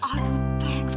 kagetnya kayak gitu sih